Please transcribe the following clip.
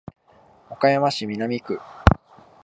岡山市南区